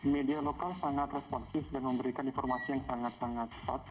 media lokal sangat responsif dan memberikan informasi yang sangat sangat shot